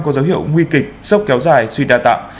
có dấu hiệu nguy kịch sốc kéo dài suy đa tạng